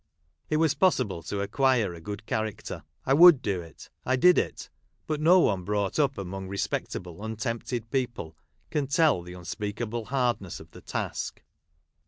It was possible to acquire a good character ; I would do it — I did it : but no one brought up among respect able untempted people can tell the unspeak able hardness of the task.